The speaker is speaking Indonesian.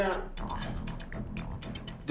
pantai template perusahaan bisa bisanya